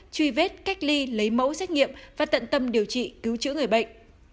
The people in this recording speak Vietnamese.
truy vết cách ly lấy mẫu xét nghiệm và tận tâm điều trị cứu chữa người bệnh